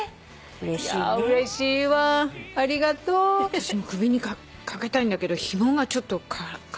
私も首に掛けたいんだけどひもがちょっと絡まっちゃって。